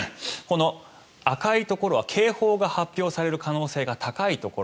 赤いところは警報が発表される可能性が高いところ。